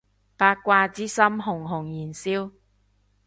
八卦之心熊熊燃燒